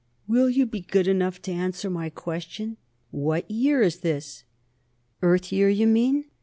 "Will you be good enough to answer my question? What year is this?" "Earth year, you mean?"